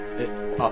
あっ。